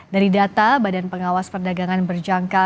dari data badan pengawas perdagangan berjangka